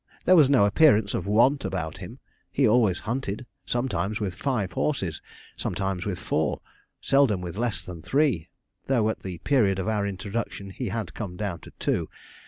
There was no appearance of want about him. He always hunted: sometimes with five horses, sometimes with four, seldom with less than three, though at the period of our introduction he had come down to two.